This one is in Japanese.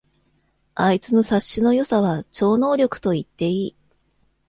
あいつの察しの良さは超能力と言っていい